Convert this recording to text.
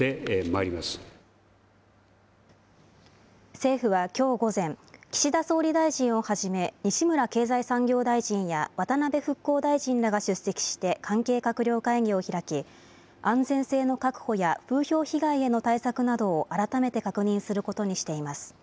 政府はきょう午前、岸田総理大臣をはじめ、西村経済産業大臣や渡辺復興大臣らが出席して、関係閣僚会議を開き、安全性の確保や風評被害への対策などを改めて確認することにしています。